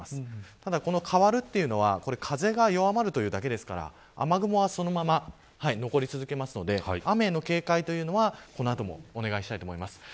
ただ、変わるというのは風が弱まるというだけですから雨雲はそのまま残り続けますので雨への警戒はこの後もお願いしたいです。